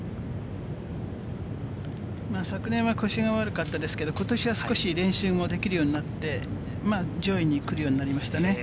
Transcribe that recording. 昨年は腰が悪かったですけれど、ことしは少し練習もできるようになって、上位に来るようになりましたね。